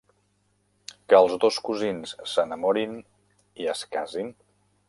Que els dos cosins s'enamorin i es casin.